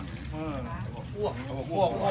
น้ำปลาบึกกับซ่าหมกปลาร่า